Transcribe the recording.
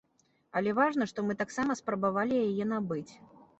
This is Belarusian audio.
Але важна, што мы таксама спрабавалі яе набыць.